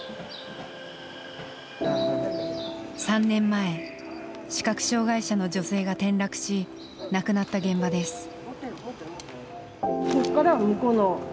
３年前視覚障害者の女性が転落し亡くなった現場です。